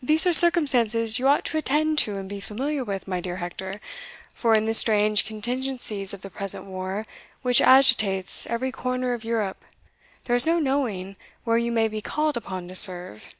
"These are circumstances you ought to attend to and be familiar with, my dear Hector; for, in the strange contingencies of the present war which agitates every corner of Europe, there is no knowing where you may be called upon to serve.